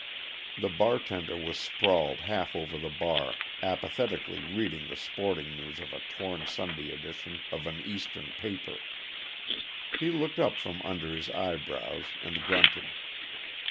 _" The bartender was sprawled half over the bar, apathetically reading the sporting news of a torn Sunday edition of an Eastern paper. He looked up from under his eyebrows and grunted.